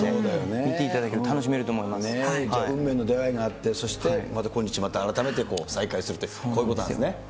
見ていただけると楽しめると思い運命の出会いがあって、そしてまた今日また改めて再会するという、こういうことなんですね。